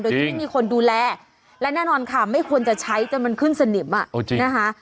โดยที่ไม่มีคนดูแลและแน่นอนค่ะไม่ควรจะใช้จนมันขึ้นสนิมอ่ะนะคะ